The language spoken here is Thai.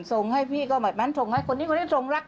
ส่งให้พี่ก็เหมือนมันส่งให้คนที่ส่งรัก